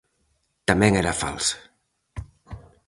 Tamén era falsa!